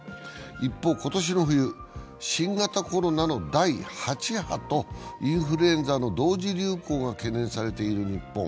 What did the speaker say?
一方、今年の冬、新型コロナの第８波とインフルエンザの同時流行が懸念されている日本。